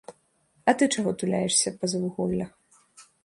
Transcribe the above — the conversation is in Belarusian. А ты чаго туляешся па завуголлях?